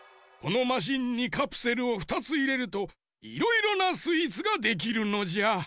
このマシンにカプセルを２ついれるといろいろなスイーツができるのじゃ。